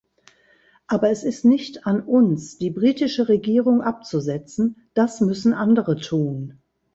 Aber es ist nicht an uns, die britische Regierung abzusetzen, das müssen andere tun.